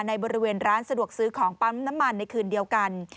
ในบริเวณร้านสะดวกซื้อของปั๊มน้ำมันในคืนเดียวกัน